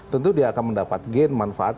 tentu dia akan mendapat gain manfaat